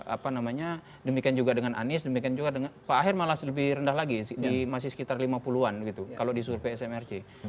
apa namanya demikian juga dengan anies demikian juga dengan pak aher malah lebih rendah lagi masih sekitar lima puluh an gitu kalau di survei smrc